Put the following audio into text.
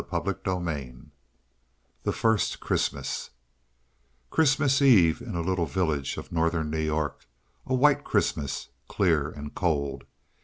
CHAPTER XLI THE FIRST CHRISTMAS Christmas Eve in a little village of Northern New York a white Christmas, clear and cold.